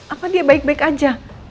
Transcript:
apa dia baik baik aja